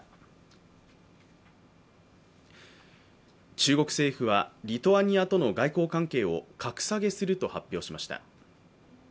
中国政府はリトアニアとの外交関係を格下げすると発表しました。